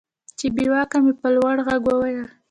چې بېواكه مې په لوړ ږغ وويل.